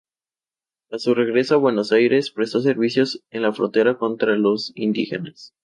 A su regreso a Buenos Aires, prestó servicios en la frontera contra los indígenas.